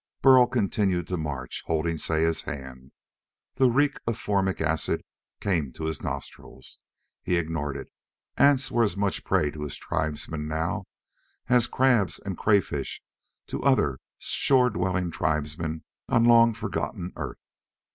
Burl continued to march, holding Saya's hand. The reek of formic acid came to his nostrils. He ignored it. Ants were as much prey to his tribesmen, now, as crabs and crayfish to other, shore dwelling tribesmen on long forgotten Earth.